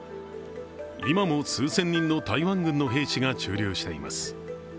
今も数千人の台湾軍の兵士が駐留しています。